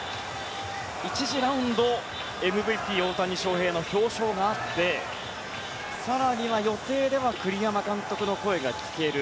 １次ラウンドＭＶＰ大谷翔平の表彰があって更には予定では栗山監督の声が聞ける。